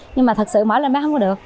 nhưng mà thật sự mở lên bác không có được